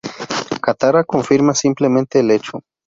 Katara confirma simplemente el hecho.